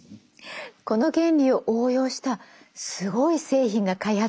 この原理を応用したすごい製品が開発されたの。